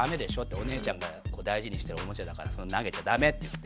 お姉ちゃんが大事にしてるおもちゃだから投げちゃダメって言って。